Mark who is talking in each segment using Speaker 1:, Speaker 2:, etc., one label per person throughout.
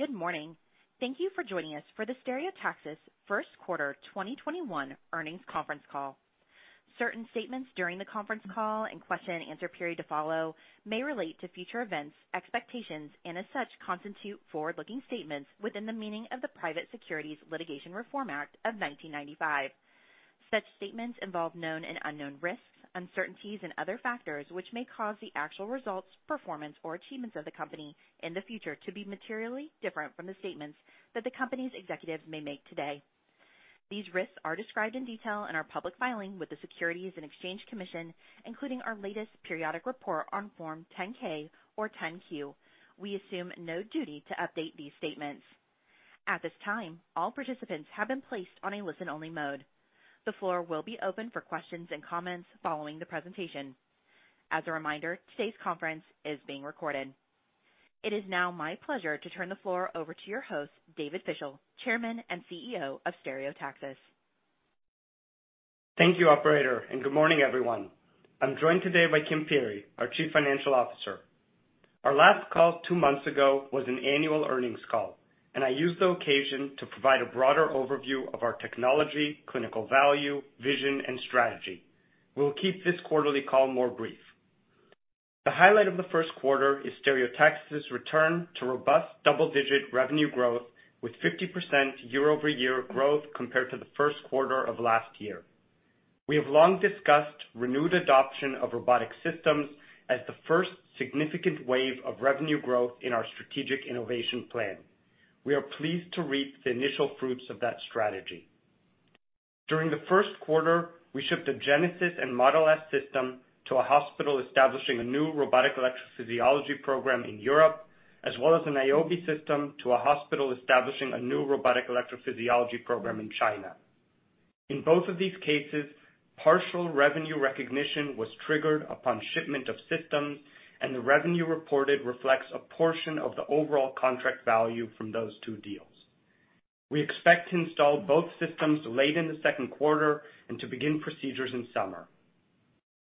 Speaker 1: Good morning. Thank you for joining us for the Stereotaxis first quarter 2021 earnings conference call. Certain statements during the conference call and question and answer period to follow may relate to future events, expectations, and as such, constitute forward-looking statements within the meaning of the Private Securities Litigation Reform Act of 1995. Such statements involve known and unknown risks, uncertainties, and other factors which may cause the actual results, performance, or achievements of the company in the future to be materially different from the statements that the company's executives may make today. These risks are described in detail in our public filing with the Securities and Exchange Commission, including our latest periodic report on Form 10-K or 10Q. We assume no duty to update these statements. At this time, all participants have been placed on a listen-only mode. The floor will be open for questions and comments following the presentation. As a reminder, today's conference is being recorded. It is now my pleasure to turn the floor over to your host, David Fischel, Chairman and CEO of Stereotaxis.
Speaker 2: Thank you, operator, and good morning, everyone. I'm joined today by Kimberly Peery, our Chief Financial Officer. Our last call two months ago was an annual earnings call, and I used the occasion to provide a broader overview of our technology, clinical value, vision, and strategy. We'll keep this quarterly call more brief. The highlight of the first quarter is Stereotaxis' return to robust double-digit revenue growth with 50% year-over-year growth compared to the first quarter of last year. We have long discussed renewed adoption of robotic systems as the first significant wave of revenue growth in our strategic innovation plan. We are pleased to reap the initial fruits of that strategy. During the first quarter, we shipped a Genesis and Model S system to a hospital establishing a new robotic electrophysiology program in Europe, as well as a Niobe system to a hospital establishing a new robotic electrophysiology program in China. In both of these cases, partial revenue recognition was triggered upon shipment of systems, and the revenue reported reflects a portion of the overall contract value from those two deals. We expect to install both systems late in the second quarter and to begin procedures in summer.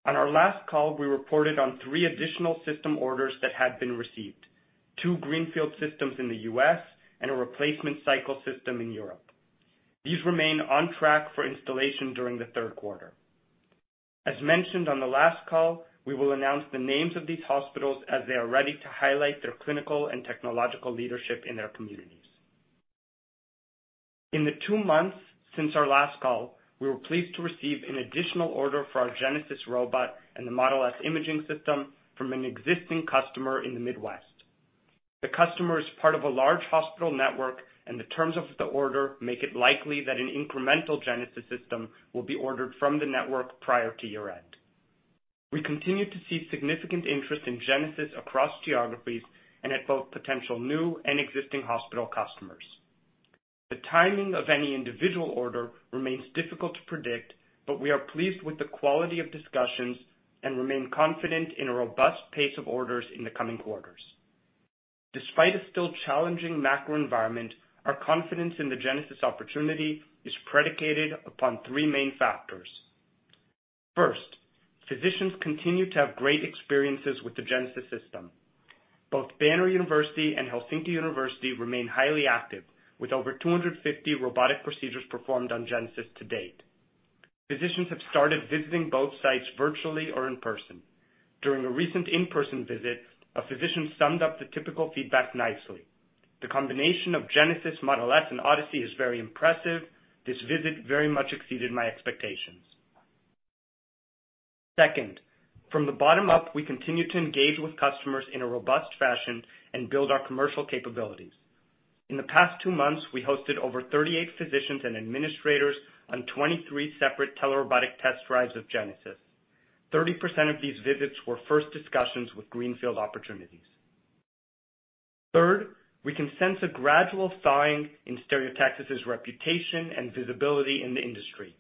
Speaker 2: On our last call, we reported on three additional system orders that had been received, two greenfield systems in the U.S. and a replacement cycle system in Europe. These remain on track for installation during the third quarter. As mentioned on the last call, we will announce the names of these hospitals as they are ready to highlight their clinical and technological leadership in their communities. In the two months since our last call, we were pleased to receive an additional order for our Genesis robot and the Model S imaging system from an existing customer in the Midwest. The customer is part of a large hospital network, and the terms of the order make it likely that an incremental Genesis system will be ordered from the network prior to year-end. We continue to see significant interest in Genesis across geographies and at both potential new and existing hospital customers. The timing of any individual order remains difficult to predict, but we are pleased with the quality of discussions and remain confident in a robust pace of orders in the coming quarters. Despite a still challenging macro environment, our confidence in the Genesis opportunity is predicated upon three main factors. First, physicians continue to have great experiences with the Genesis system. Both Banner University and Helsinki University remain highly active, with over 250 robotic procedures performed on Genesis to date. Physicians have started visiting both sites virtually or in person. During a recent in-person visit, a physician summed up the typical feedback nicely. "The combination of Genesis, Model S, and Odyssey is very impressive. This visit very much exceeded my expectations." Second, from the bottom up, we continue to engage with customers in a robust fashion and build our commercial capabilities. In the past two months, we hosted over 38 physicians and administrators on 23 separate telerobotic test drives of Genesis. 30% of these visits were first discussions with greenfield opportunities. Third, we can sense a gradual thawing in Stereotaxis' reputation and visibility in the industry.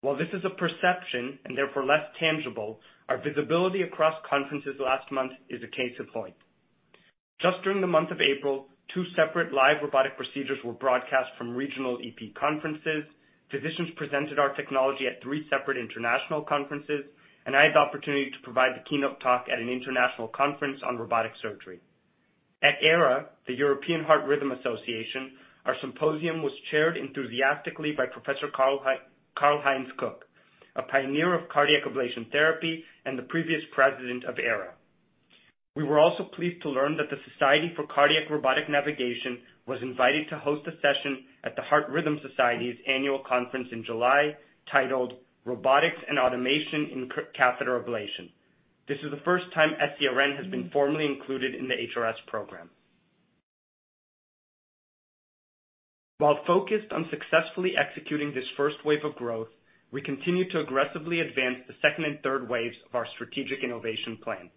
Speaker 2: While this is a perception and therefore less tangible, our visibility across conferences last month is a case in point. Just during the month of April, two separate live robotic procedures were broadcast from regional EP conferences. Physicians presented our technology at three separate international conferences, and I had the opportunity to provide the keynote talk at an international conference on robotic surgery. At EHRA, the European Heart Rhythm Association, our symposium was chaired enthusiastically by Professor Karl-Heinz Kuck, a pioneer of cardiac ablation therapy and the previous president of EHRA. We were also pleased to learn that the Society for Cardiac Robotic Navigation was invited to host a session at the Heart Rhythm Society's annual conference in July titled Robotics and Automation in Catheter Ablation. This is the first time SCRN has been formally included in the HRS program. While focused on successfully executing this first wave of growth, we continue to aggressively advance the second and third waves of our strategic innovation plan.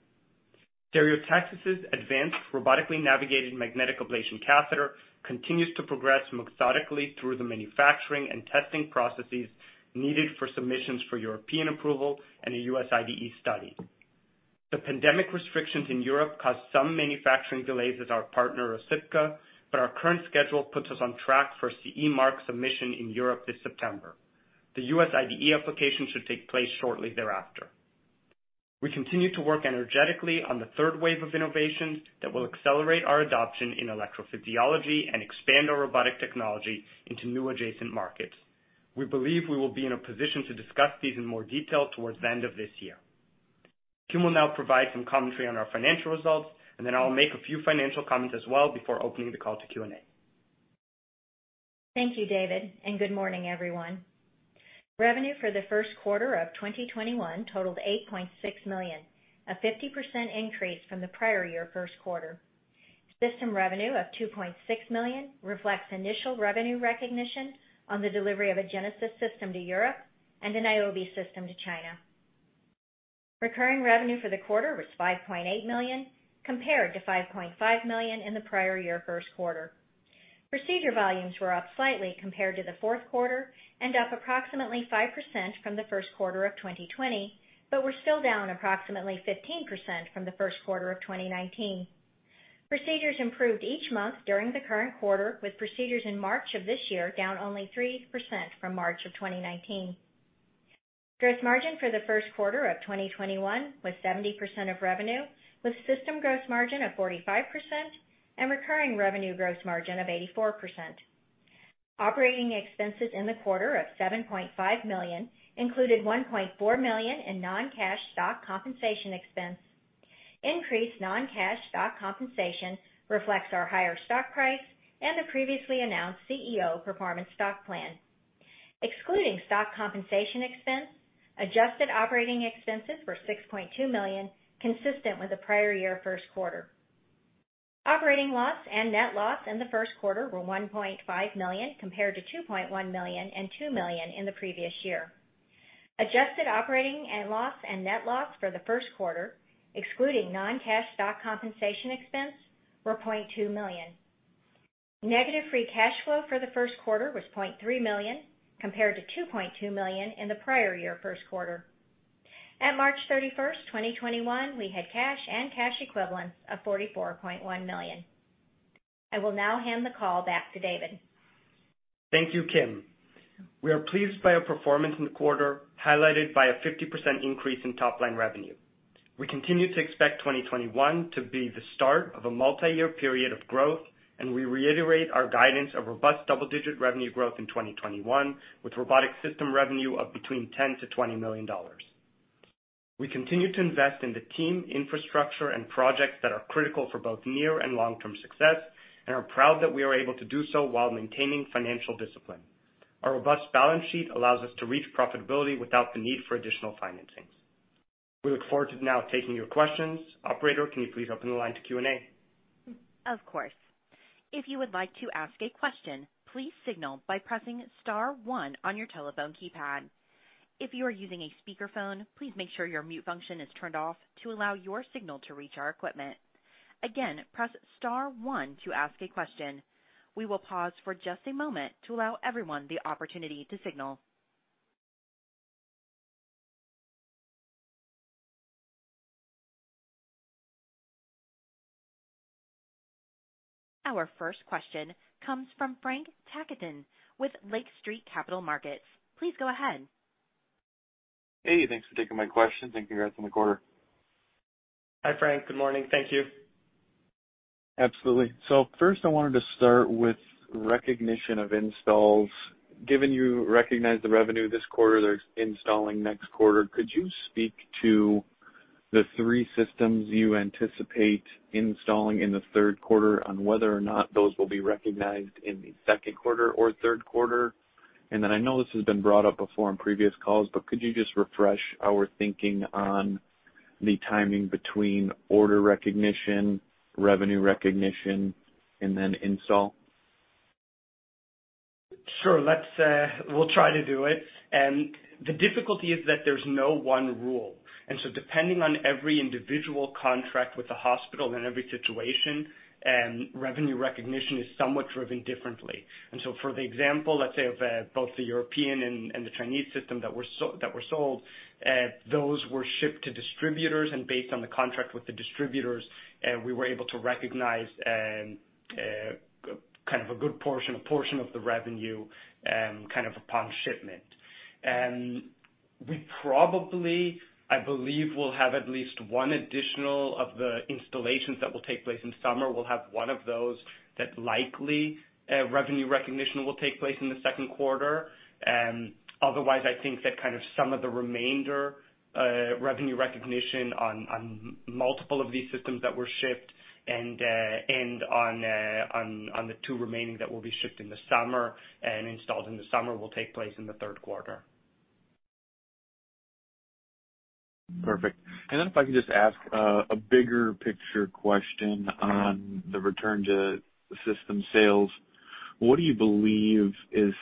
Speaker 2: Stereotaxis' advanced robotically navigated magnetic ablation catheter continues to progress methodically through the manufacturing and testing processes needed for submissions for European approval and a U.S. IDE study. The pandemic restrictions in Europe caused some manufacturing delays at our partner, Osypka, but our current schedule puts us on track for CE mark submission in Europe this September. The U.S. IDE application should take place shortly thereafter. We continue to work energetically on the third wave of innovations that will accelerate our adoption in electrophysiology and expand our robotic technology into new adjacent markets. We believe we will be in a position to discuss these in more detail towards the end of this year. Kim will now provide some commentary on our financial results, and then I'll make a few financial comments as well before opening the call to Q&A.
Speaker 3: Thank you, David. Good morning, everyone. Revenue for the first quarter of 2021 totaled $8.6 million, a 50% increase from the prior year first quarter. System revenue of $2.6 million reflects initial revenue recognition on the delivery of a Genesis system to Europe and a Niobe system to China. Recurring revenue for the quarter was $5.8 million, compared to $5.5 million in the prior year first quarter. Procedure volumes were up slightly compared to the fourth quarter and up approximately 5% from the first quarter of 2020, were still down approximately 15% from the first quarter of 2019. Procedures improved each month during the current quarter, with procedures in March of this year down only 3% from March of 2019. Gross margin for the first quarter of 2021 was 70% of revenue, with system gross margin of 45% and recurring revenue gross margin of 84%. Operating expenses in the quarter of $7.5 million included $1.4 million in non-cash stock compensation expense. Increased non-cash stock compensation reflects our higher stock price and the previously announced CEO performance stock plan. Excluding stock compensation expense, adjusted operating expenses were $6.2 million, consistent with the prior year first quarter. Operating loss and net loss in the first quarter were $1.5 million, compared to $2.1 million and $2 million in the previous year. Adjusted operating and loss and net loss for the first quarter, excluding non-cash stock compensation expense, were $0.2 million. Negative free cash flow for the first quarter was $0.3 million, compared to $2.2 million in the prior year first quarter. At March 31st, 2021, we had cash and cash equivalents of $44.1 million. I will now hand the call back to David.
Speaker 2: Thank you, Kim. We are pleased by our performance in the quarter, highlighted by a 50% increase in top-line revenue. We continue to expect 2021 to be the start of a multi-year period of growth, we reiterate our guidance of robust double-digit revenue growth in 2021, with robotic system revenue of between $10 million-$20 million. We continue to invest in the team, infrastructure, and projects that are critical for both near and long-term success and are proud that we are able to do so while maintaining financial discipline. Our robust balance sheet allows us to reach profitability without the need for additional financings. We look forward to now taking your questions. Operator, can you please open the line to Q&A?
Speaker 1: Of course. If you would like to ask a question please signal by pressing star one on your telephone keypad. If you are using a speaker phone please make sure your mute function is turned off to allow your signal to reach our equipment. Again press star one to ask a question. We will pause for just a moment to give everyone the opportunity to signal. Our first question comes from Frank Takkinen with Lake Street Capital Markets. Please go ahead.
Speaker 4: Hey, thanks for taking my question, and congrats on the quarter.
Speaker 2: Hi, Frank. Good morning. Thank you.
Speaker 4: Absolutely. First, I wanted to start with recognition of installs. Given you recognized the revenue this quarter that's installing next quarter, could you speak to the three systems you anticipate installing in the third quarter on whether or not those will be recognized in the second quarter or third quarter? I know this has been brought up before on previous calls, but could you just refresh our thinking on the timing between order recognition, revenue recognition, and then install?
Speaker 2: Sure. We'll try to do it. The difficulty is that there's no one rule. Depending on every individual contract with the hospital and every situation, revenue recognition is somewhat driven differently. For the example, let's say of both the European and the Chinese system that were sold, those were shipped to distributors. Based on the contract with the distributors, we were able to recognize a good portion of the revenue upon shipment. We probably, I believe, will have at least one additional of the installations that will take place in summer. We'll have one of those that likely revenue recognition will take place in the second quarter. I think that some of the remainder revenue recognition on multiple of these systems that were shipped and on the two remaining that will be shipped in the summer and installed in the summer will take place in the third quarter.
Speaker 4: Perfect. If I could just ask a bigger picture question on the return to system sales. What do you believe is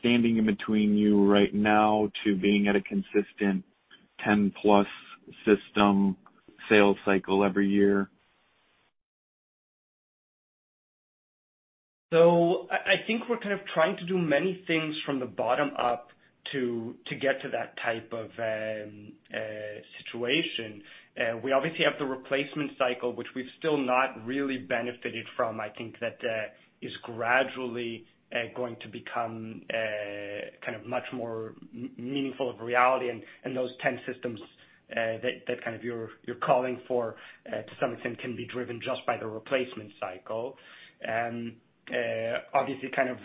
Speaker 4: standing in between you right now to being at a consistent 10-plus system sales cycle every year?
Speaker 2: I think we're trying to do many things from the bottom up to get to that type of situation. We obviously have the replacement cycle, which we've still not really benefited from. I think that is gradually going to become kind of much more meaningful of reality and those 10 systems that you're calling for, to some extent, can be driven just by the replacement cycle.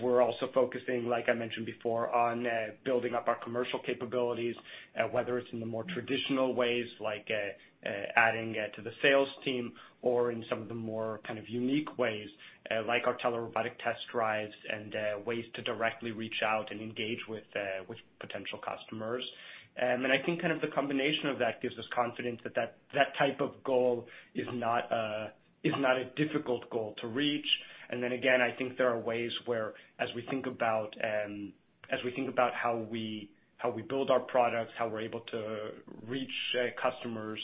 Speaker 2: We're also focusing, like I mentioned before, on building up our commercial capabilities, whether it's in the more traditional ways, like adding to the sales team or in some of the more kind of unique ways, like our telerobotic test drives and ways to directly reach out and engage with potential customers. I think the combination of that gives us confidence that type of goal is not a difficult goal to reach. I think there are ways where as we think about how we build our products, how we're able to reach customers,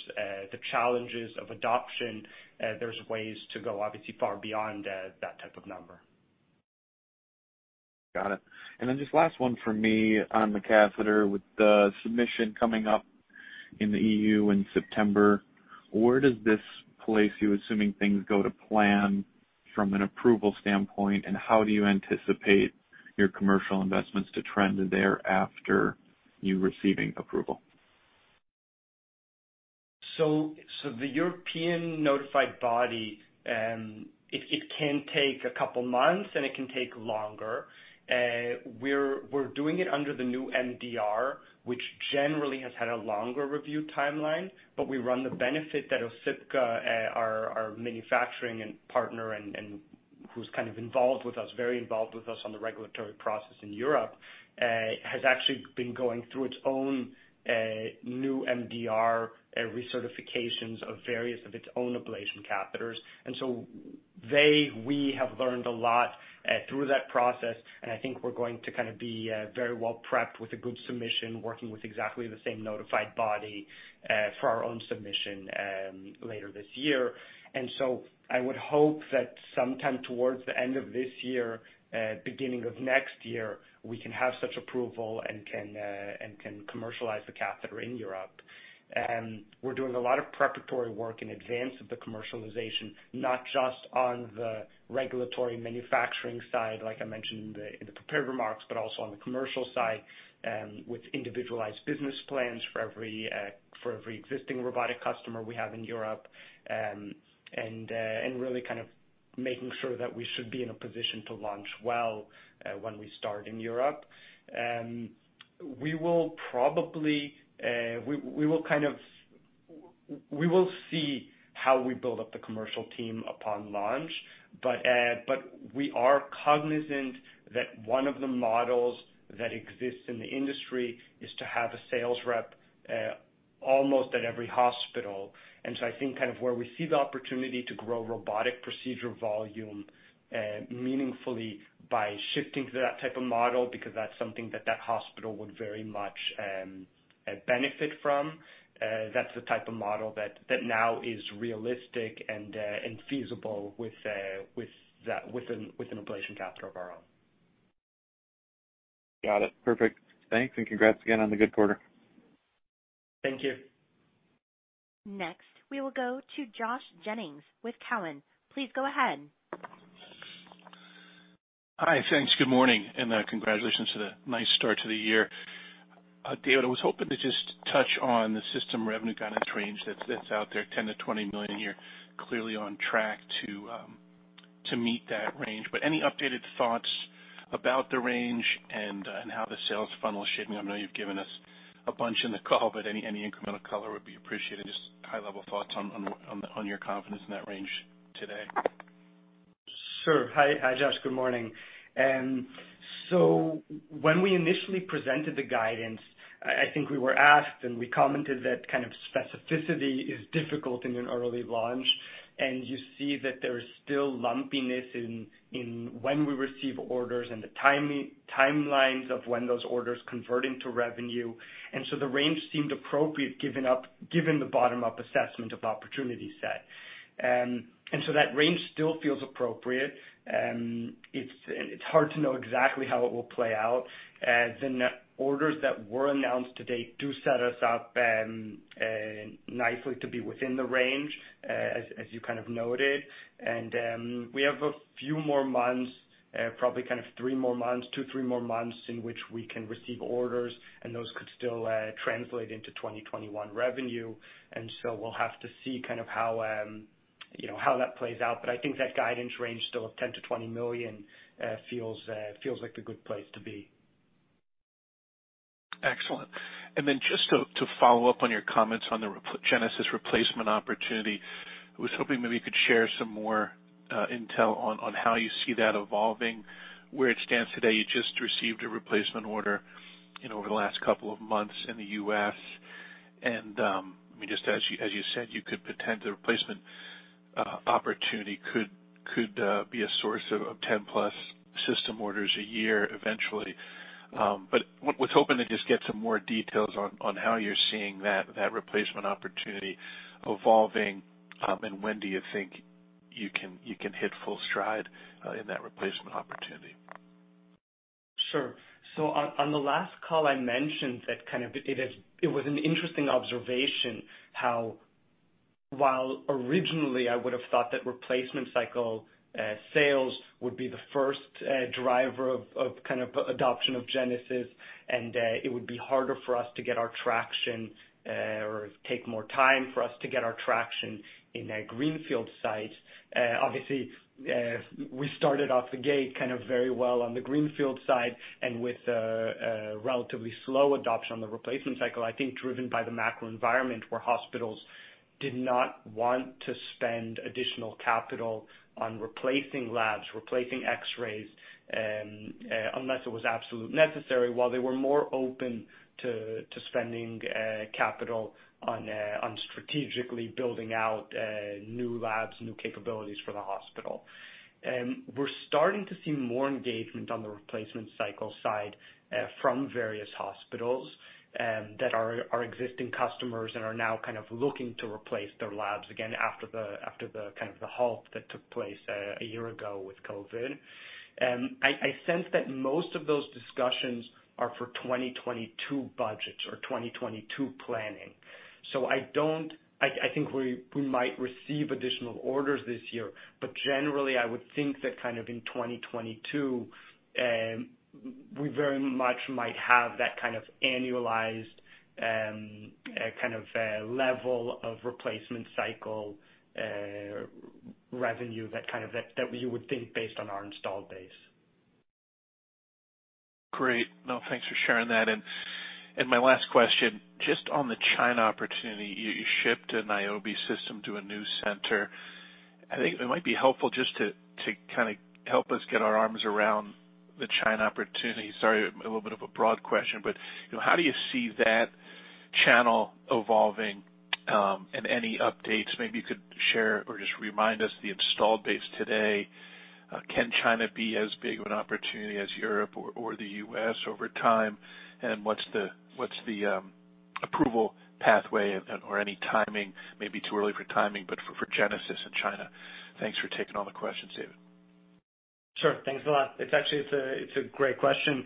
Speaker 2: the challenges of adoption, there's ways to go, obviously, far beyond that type of number.
Speaker 4: Got it. Just last one from me on the catheter. With the submission coming up in the EU in September, where does this place you, assuming things go to plan from an approval standpoint, and how do you anticipate your commercial investments to trend there after you receiving approval?
Speaker 2: The European notified body, it can take a couple of months and it can take longer. We're doing it under the new MDR, which generally has had a longer review timeline, but we run the benefit that Osypka, our manufacturing partner and who's kind of involved with us, very involved with us on the regulatory process in Europe, has actually been going through its own, new MDR recertifications of various of its own ablation catheters. We have learned a lot through that process, and I think we're going to be very well-prepped with a good submission, working with exactly the same notified body for our own submission later this year. I would hope that sometime towards the end of this year, beginning of next year, we can have such approval and can commercialize the catheter in Europe. We're doing a lot of preparatory work in advance of the commercialization, not just on the regulatory manufacturing side, like I mentioned in the prepared remarks, but also on the commercial side, with individualized business plans for every existing robotic customer we have in Europe, and really kind of making sure that we should be in a position to launch well when we start in Europe. We will see how we build up the commercial team upon launch, but we are cognizant that one of the models that exists in the industry is to have a sales rep almost at every hospital. I think where we see the opportunity to grow robotic procedure volume meaningfully by shifting to that type of model, because that's something that that hospital would very much benefit from. That's the type of model that now is realistic and feasible with an ablation catheter of our own.
Speaker 4: Got it. Perfect. Thanks and congrats again on the good quarter.
Speaker 2: Thank you.
Speaker 1: Next, we will go to Josh Jennings with Cowen. Please go ahead.
Speaker 5: Hi, thanks. Good morning, and congratulations to the nice start to the year. David, I was hoping to just touch on the system revenue guidance range that's out there, $10 million-$20 million a year. Clearly on track to meet that range. Any updated thoughts about the range and how the sales funnel is shaping up? I know you've given us a bunch in the call, but any incremental color would be appreciated. Just high-level thoughts on your confidence in that range today.
Speaker 2: Sure. Hi, Josh. Good morning. When we initially presented the guidance, I think we were asked, and we commented that kind of specificity is difficult in an early launch, and you see that there is still lumpiness in when we receive orders and the timelines of when those orders convert into revenue. The range seemed appropriate given the bottom-up assessment of opportunity set. That range still feels appropriate. It's hard to know exactly how it will play out. The orders that were announced to date do set us up nicely to be within the range, as you kind of noted. We have a few more months, probably three more months, two, three more months in which we can receive orders, and those could still translate into 2021 revenue. We'll have to see how that plays out. I think that guidance range still of $10 million-$20 million feels like the good place to be.
Speaker 5: Excellent. Then just to follow up on your comments on the Genesis replacement opportunity, I was hoping maybe you could share some more intel on how you see that evolving, where it stands today. You just received a replacement order over the last couple of months in the U.S., and just as you said, you could pretend the replacement opportunity could be a source of 10-plus system orders a year eventually. Was hoping to just get some more details on how you're seeing that replacement opportunity evolving. When do you think you can hit full stride in that replacement opportunity?
Speaker 2: Sure. On the last call, I mentioned that it was an interesting observation how, while originally I would've thought that replacement cycle sales would be the first driver of adoption of Genesis, and it would be harder for us to get our traction or take more time for us to get our traction in a greenfield site. Obviously, we started off the gate very well on the greenfield side and with a relatively slow adoption on the replacement cycle, I think driven by the macro environment where hospitals did not want to spend additional capital on replacing labs, replacing X-rays, unless it was absolutely necessary, while they were more open to spending capital on strategically building out new labs, new capabilities for the hospital. We're starting to see more engagement on the replacement cycle side from various hospitals that are existing customers and are now looking to replace their labs again after the halt that took place a year ago with COVID. I sense that most of those discussions are for 2022 budgets or 2022 planning. I think we might receive additional orders this year, but generally, I would think that in 2022, we very much might have that kind of annualized level of replacement cycle revenue, that you would think based on our installed base.
Speaker 5: Great. No, thanks for sharing that. My last question, just on the China opportunity, you shipped an Niobe system to a new center. I think it might be helpful just to help us get our arms around the China opportunity. Sorry, a little bit of a broad question, but how do you see that channel evolving? Any updates maybe you could share or just remind us the installed base today. Can China be as big of an opportunity as Europe or the U.S. over time? What's the approvable pathway or any timing? Maybe too early for timing, but for Genesis in China. Thanks for taking all the questions, David.
Speaker 2: Sure. Thanks a lot. It's a great question.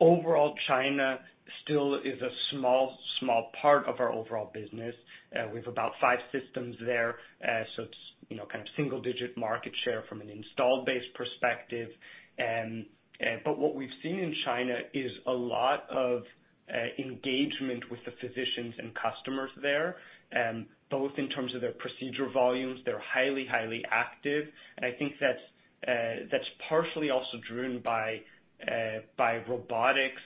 Speaker 2: Overall, China still is a small part of our overall business. We've about five systems there, so it's kind of single-digit market share from an installed base perspective. What we've seen in China is a lot of engagement with the physicians and customers there, both in terms of their procedure volumes, they're highly active. I think that's partially also driven by robotics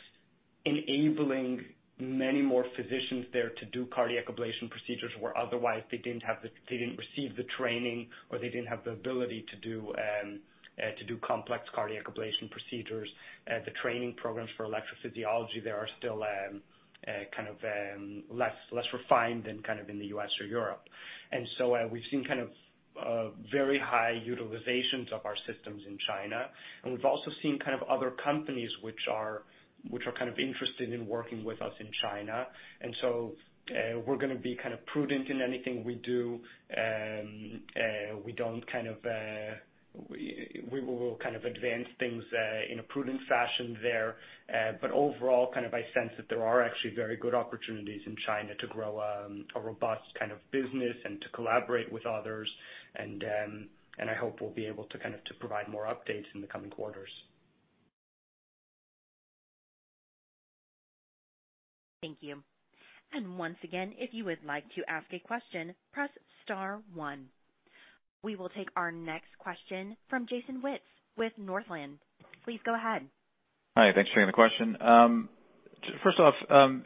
Speaker 2: enabling many more physicians there to do cardiac ablation procedures, where otherwise they didn't receive the training or they didn't have the ability to do complex cardiac ablation procedures. The training programs for electrophysiology there are still less refined than in the U.S. or Europe. We've seen very high utilizations of our systems in China. We've also seen other companies which are interested in working with us in China. We're going to be prudent in anything we do. We will advance things in a prudent fashion there. Overall, I sense that there are actually very good opportunities in China to grow a robust business and to collaborate with others. I hope we'll be able to provide more updates in the coming quarters.
Speaker 1: Thank you. Once again, if you would like to ask a question, press star one. We will take our next question from Jason Wittes with Northland. Please go ahead.
Speaker 6: Hi, thanks for taking the question. First off,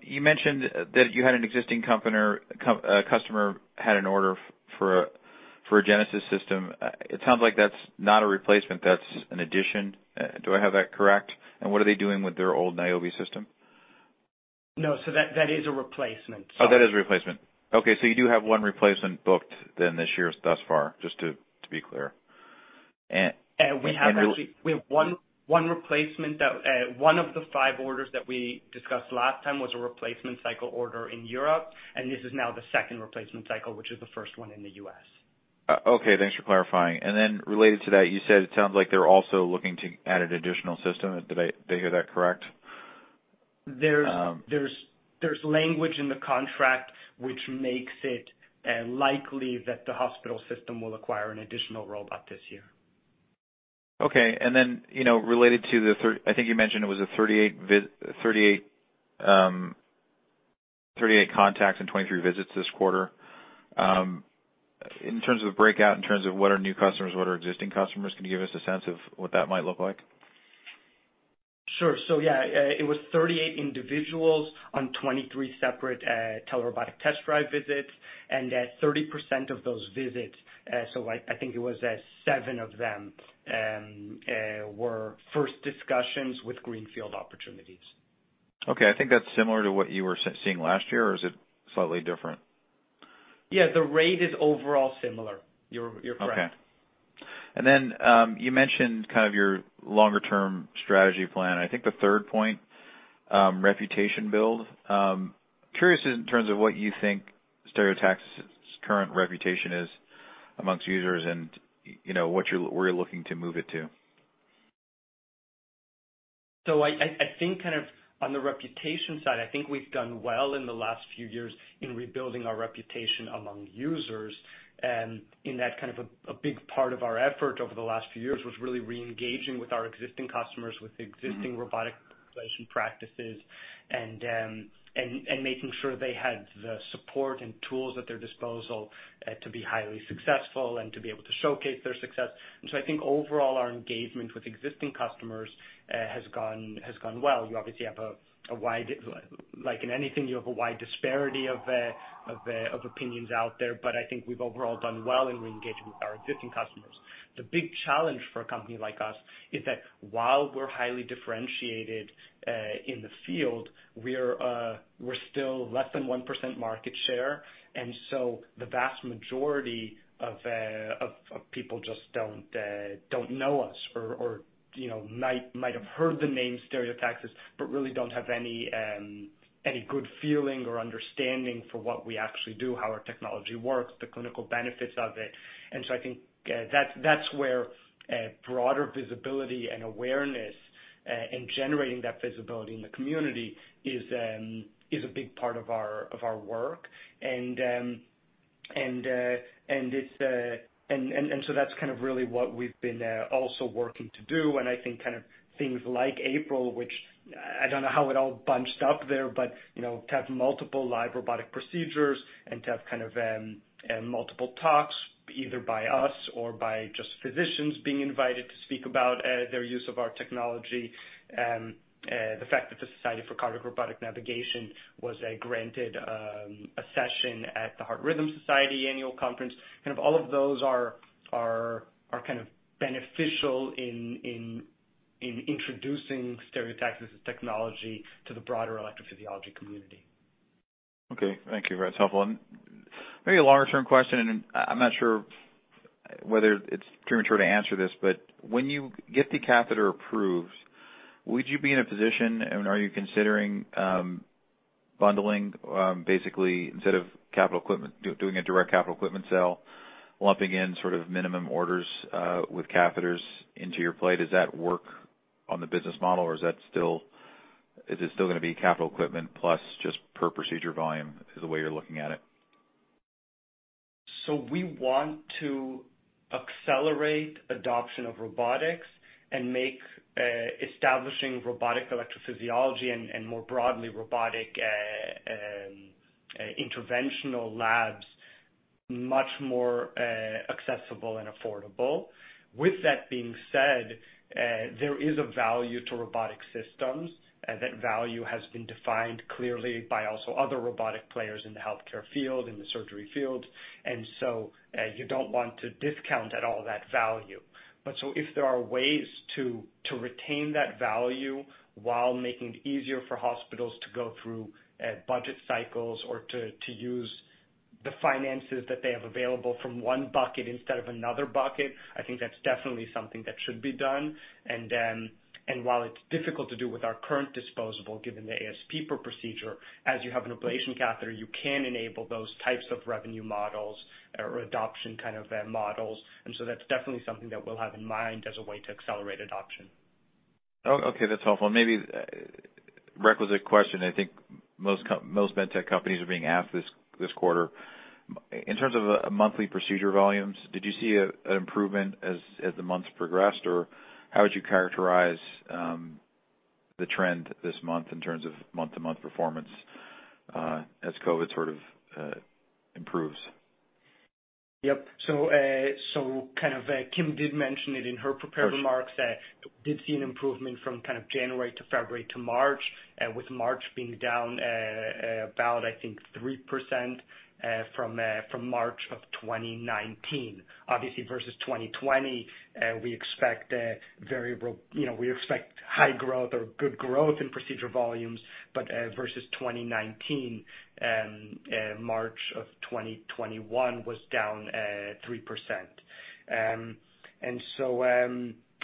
Speaker 6: you mentioned that you had an existing customer had an order for a Genesis system. It sounds like that's not a replacement, that's an addition. Do I have that correct? What are they doing with their old Niobe system?
Speaker 2: No, so that is a replacement.
Speaker 6: Oh, that is a replacement. Okay, you do have one replacement booked then this year thus far, just to be clear.
Speaker 2: One of the five orders that we discussed last time was a replacement cycle order in Europe. This is now the second replacement cycle, which is the first one in the U.S.
Speaker 6: Okay, thanks for clarifying. Related to that, you said it sounds like they're also looking to add an additional system. Did I hear that correct?
Speaker 2: There's language in the contract which makes it likely that the hospital system will acquire an additional robot this year.
Speaker 6: Okay. Then, related to the, I think you mentioned it was 38 contacts and 23 visits this quarter. In terms of breakout, in terms of what are new customers, what are existing customers, can you give us a sense of what that might look like?
Speaker 2: Sure. Yeah, it was 38 individuals on 23 separate telerobotic test drive visits, 30% of those visits, I think it was seven of them, were first discussions with greenfield opportunities.
Speaker 6: Okay. I think that's similar to what you were seeing last year, or is it slightly different?
Speaker 2: Yeah, the rate is overall similar. You're correct.
Speaker 6: Okay. You mentioned your longer-term strategy plan, I think the third point, reputation build. Curious in terms of what you think Stereotaxis' current reputation is amongst users and where you're looking to move it to?
Speaker 2: I think on the reputation side, I think we've done well in the last few years in rebuilding our reputation among users. In that, kind of a big part of our effort over the last few years was really reengaging with our existing customers with existing robotic ablation practices, and making sure they had the support and tools at their disposal to be highly successful and to be able to showcase their success. I think overall, our engagement with existing customers has gone well. Obviously, like in anything, you have a wide disparity of opinions out there, but I think we've overall done well in re-engaging with our existing customers. The big challenge for a company like us is that while we're highly differentiated in the field, we're still less than 1% market share, and so the vast majority of people just don't know us or might have heard the name Stereotaxis, but really don't have any good feeling or understanding for what we actually do, how our technology works, the clinical benefits of it. I think that's where broader visibility and awareness, and generating that visibility in the community is a big part of our work. That's kind of really what we've been also working to do, and I think things like April, which I don't know how it all bunched up there, but to have multiple live robotic procedures and to have multiple talks either by us or by just physicians being invited to speak about their use of our technology. The fact that the Society for Cardiac Robotic Navigation was granted a session at the Heart Rhythm Society annual conference, kind of all of those are kind of beneficial in introducing Stereotaxis' technology to the broader electrophysiology community.
Speaker 6: Okay. Thank you. That's helpful. Maybe a longer-term question, and I'm not sure whether it's premature to answer this, but when you get the catheter approved, would you be in a position, and are you considering bundling basically, instead of doing a direct capital equipment sale, lumping in sort of minimum orders with catheters into your plate? Does that work on the business model, or is it still going to be capital equipment plus just per procedure volume is the way you're looking at it?
Speaker 2: We want to accelerate adoption of robotics and make establishing robotic electrophysiology and more broadly, robotic interventional labs much more accessible and affordable. With that being said, there is a value to robotic systems. That value has been defined clearly by also other robotic players in the healthcare field, in the surgery field. You don't want to discount at all that value. If there are ways to retain that value while making it easier for hospitals to go through budget cycles or to use the finances that they have available from one bucket instead of another bucket, I think that's definitely something that should be done. While it's difficult to do with our current disposable, given the ASP per procedure, as you have an ablation catheter, you can enable those types of revenue models or adoption kind of models. That's definitely something that we'll have in mind as a way to accelerate adoption.
Speaker 6: Okay, that's helpful. Maybe requisite question I think most med tech companies are being asked this quarter. In terms of monthly procedure volumes, did you see an improvement as the months progressed, or how would you characterize the trend this month in terms of month-to-month performance as COVID sort of improves?
Speaker 2: Yep. Kim did mention it in her prepared remarks. We did see an improvement from kind of January to February to March, with March being down about, I think, 3% from March of 2019. Obviously versus 2020, we expect high growth or good growth in procedure volumes. Versus 2019, March of 2021 was down 3%.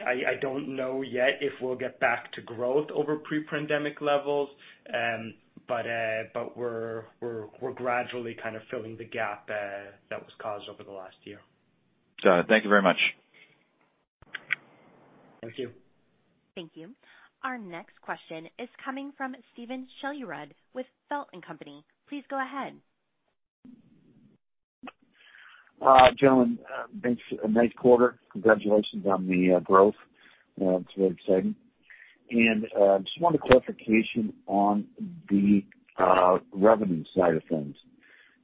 Speaker 2: I don't know yet if we'll get back to growth over pre-pandemic levels, but we're gradually kind of filling the gap that was caused over the last year.
Speaker 6: Got it. Thank you very much.
Speaker 2: Thank you.
Speaker 1: Thank you. Our next question is coming from Steven Shelerud with Feltl & Company. Please go ahead.
Speaker 7: Gentlemen, thanks. A nice quarter. Congratulations on the growth. It's really exciting. Just wanted clarification on the revenue side of things.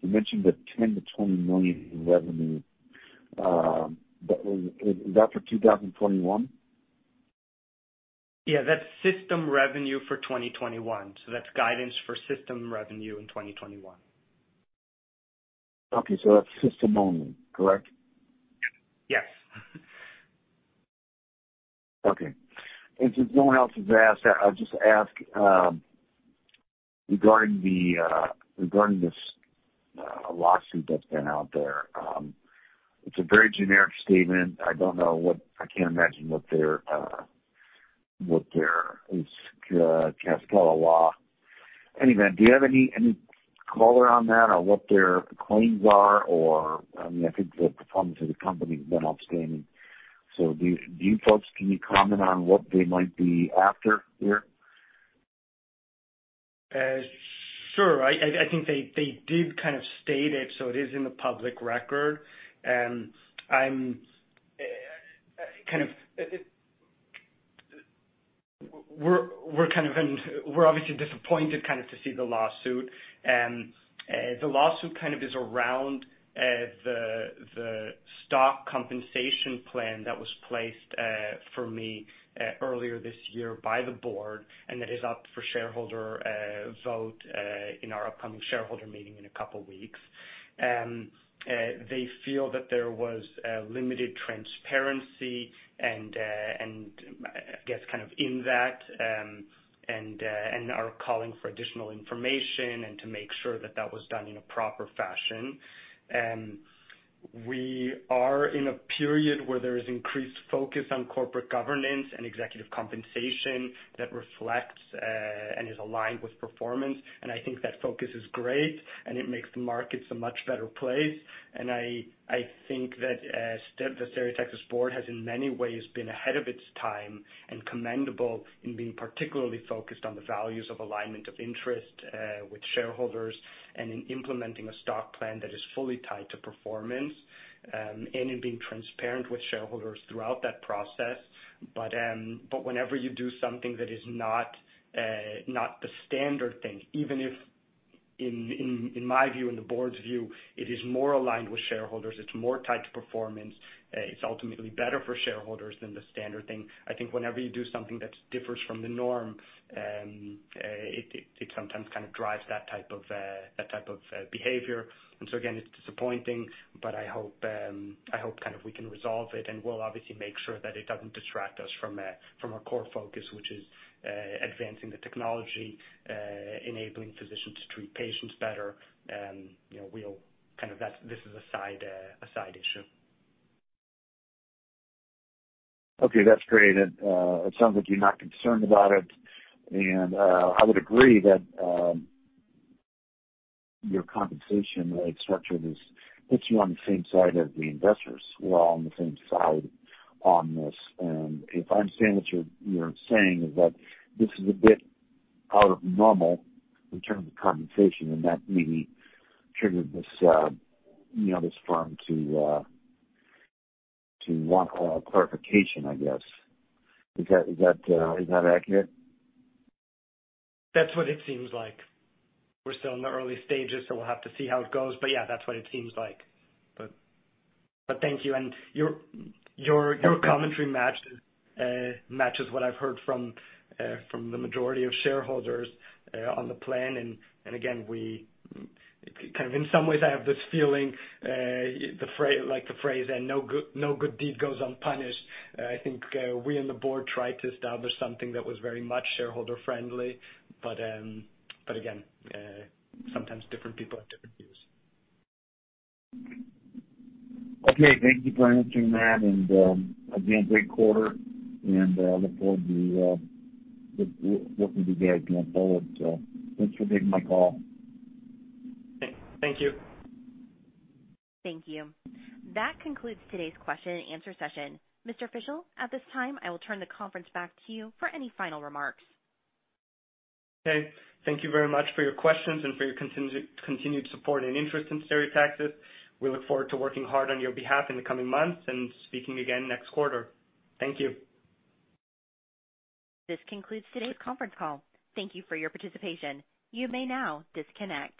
Speaker 7: You mentioned the $10 million-$20 million in revenue. Is that for 2021?
Speaker 2: Yeah, that's system revenue for 2021. That's guidance for system revenue in 2021.
Speaker 7: Okay. That's system only, correct?
Speaker 2: Yes.
Speaker 7: Okay. Since no one else has asked that, I'll just ask regarding this lawsuit that's been out there. It's a very generic statement. I can't imagine Castella Law. Any event, do you have any color on that on what their claims are? I think the performance of the company has been outstanding. Do you folks, can you comment on what they might be after here?
Speaker 2: Sure. I think they did kind of state it. It is in the public record. We're obviously disappointed to see the lawsuit. The lawsuit kind of is around the stock compensation plan that was placed for me earlier this year by the board. That is up for shareholder vote in our upcoming shareholder meeting in a couple of weeks. They feel that there was limited transparency and, I guess, in that, are calling for additional information and to make sure that that was done in a proper fashion. We are in a period where there is increased focus on corporate governance and executive compensation that reflects and is aligned with performance. I think that focus is great, and it makes the markets a much better place. I think that the Stereotaxis board has in many ways been ahead of its time and commendable in being particularly focused on the values of alignment of interest with shareholders and in implementing a stock plan that is fully tied to performance, and in being transparent with shareholders throughout that process. Whenever you do something that is not the standard thing, even if in my view, in the board's view, it is more aligned with shareholders, it's more tied to performance, it's ultimately better for shareholders than the standard thing. I think whenever you do something that differs from the norm, it sometimes kind of drives that type of behavior. Again, it's disappointing, but I hope we can resolve it, and we'll obviously make sure that it doesn't distract us from our core focus, which is advancing the technology, enabling physicians to treat patients better. This is a side issue.
Speaker 7: Okay, that's great. It sounds like you're not concerned about it. I would agree that your compensation rate structure puts you on the same side as the investors. We're all on the same side on this. If I understand what you're saying is that this is a bit out of normal in terms of compensation, and that maybe triggered this firm to want clarification, I guess. Is that accurate?
Speaker 2: That's what it seems like. We're still in the early stages, so we'll have to see how it goes. Yeah, that's what it seems like. Thank you. Your commentary matches what I've heard from the majority of shareholders on the plan. Again, in some ways, I have this feeling like the phrase, "No good deed goes unpunished." I think we on the board tried to establish something that was very much shareholder-friendly, but again, sometimes different people have different views.
Speaker 7: Okay. Thank you for answering that. Again, great quarter, and I look forward to working with you guys going forward. Thanks for taking my call.
Speaker 2: Thank you.
Speaker 1: Thank you. That concludes today's question and answer session. Mr. Fischel, at this time, I will turn the conference back to you for any final remarks.
Speaker 2: Okay. Thank you very much for your questions and for your continued support and interest in Stereotaxis. We look forward to working hard on your behalf in the coming months and speaking again next quarter. Thank you.
Speaker 1: This concludes today's conference call. Thank you for your participation. You may now disconnect.